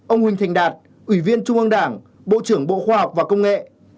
một mươi sáu ông huỳnh thành đạt ủy viên trung ương đảng bộ trưởng bộ khoa học và công nghệ